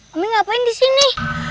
mami ngapain disini